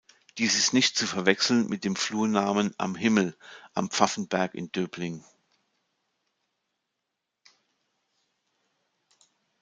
Dies ist nicht zu verwechseln mit dem Flurnamen "Am Himmel" am Pfaffenberg in Döbling.